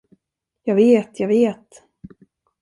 Jag vet, jag vet.